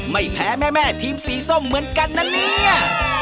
ไม่แพ้แม่ทีมสีส้มเหมือนกันนะเนี่ย